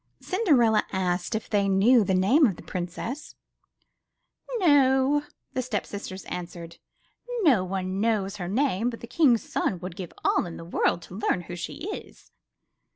Cinderella asked if they knew the name of the princess. No," the step sisters answered, *'no one knows her name, but the King's son would give all the world to learn who she is!"